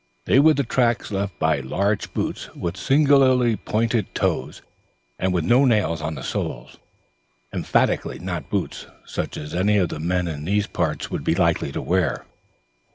They were the tracks left by large boots with singularly pointed toes, and with no nails on the soles. Emphatically not boots such as any of the men of those parts would be likely to wear.